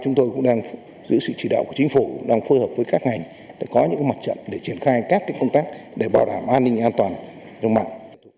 giữ sự chỉ đạo của chính phủ đang phối hợp với các ngành để có những mặt trận để triển khai các công tác để bảo đảm an ninh an toàn trong mạng